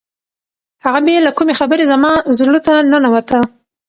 هغه بې له کومې خبرې زما زړه ته ننوته.